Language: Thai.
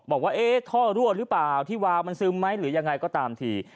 บอกว่าเอ๊ะท่อรั่วหรือเปล่าที่วาวมันซึมไหมหรือยังไงก็ตามที